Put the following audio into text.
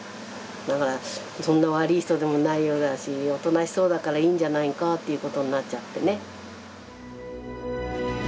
だからそんな悪い人でもないようだしおとなしそうだからいいんじゃないんかということになっちゃってね。